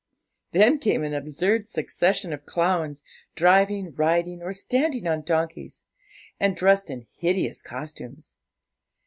Then came an absurd succession of clowns, driving, riding, or standing on donkeys, and dressed in hideous costumes.